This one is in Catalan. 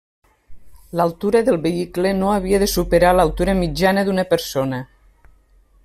L'altura del vehicle no havia de superar l'altura mitjana d'una persona.